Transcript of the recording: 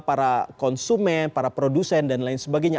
para konsumen para produsen dan lain sebagainya